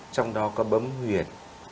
trong đó có bấm huyệt